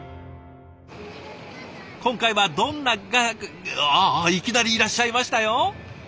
今回はどんな画伯ああいきなりいらっしゃいましたよ！